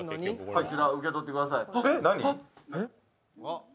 こちら受け取ってください。